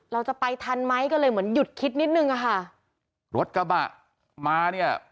เราจะไปทันไหมก็เลยเหมือนหยุดคิดนิดนึงอะค่ะรถกระบะมาเนี่ย